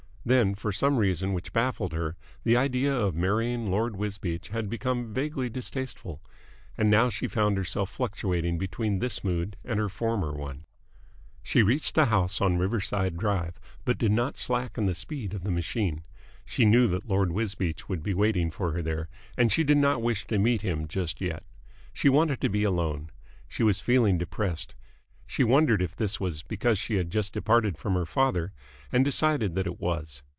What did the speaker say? Then, for some reason which baffled her, the idea of marrying Lord Wisbeach had become vaguely distasteful. And now she found herself fluctuating between this mood and her former one. She reached the house on Riverside Drive, but did not slacken the speed of the machine. She knew that Lord Wisbeach would be waiting for her there, and she did not wish to meet him just yet. She wanted to be alone. She was feeling depressed. She wondered if this was because she had just departed from her father, and decided that it was.